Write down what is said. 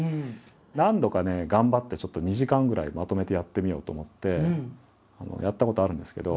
何度かね頑張ってちょっと２時間ぐらいまとめてやってみようと思ってやったことあるんですけど。